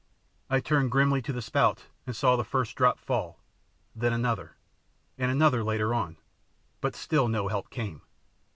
I turned grimly to the spout and saw the first drop fall, then another, and another later on, but still no help came.